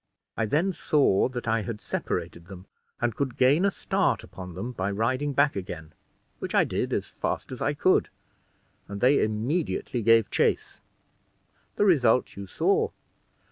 I then saw that I had separated them, and could gain a start upon them by riding back again, which I did, as fast as I could, and they immediately gave chase. The result you saw.